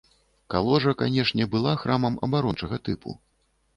Каложа, канешне, была храмам абарончага тыпу.